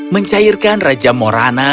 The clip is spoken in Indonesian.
mencairkan raja morana